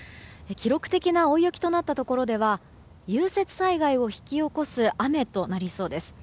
記録的な大雪となったところでは融雪災害を引き起こす雨となりそうです。